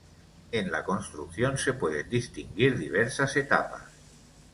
En la construcción se pueden distinguir diversas etapas.